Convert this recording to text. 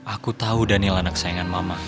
aku tau daniel anak sayangan mama